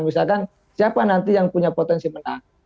misalkan siapa nanti yang punya potensi menang